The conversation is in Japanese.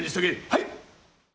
はい！